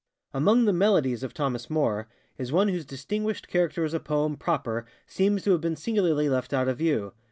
Among the ŌĆ£MelodiesŌĆØ of Thomas Moore is one whose distinguished character as a poem proper seems to have been singularly left out of view.